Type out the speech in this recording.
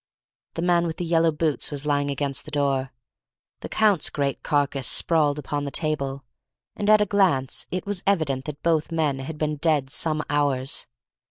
The man with the yellow boots was lying against the door, the Count's great carcass sprawled upon the table, and at a glance it was evident that both men had been dead some hours.